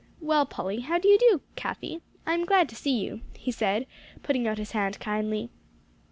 "Well, Polly how do you do, Cathie? I am glad to see you," he said, putting out his hand kindly.